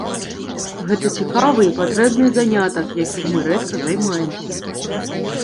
Гэта цікавы і патрэбны занятак, якім мы рэдка займаемся.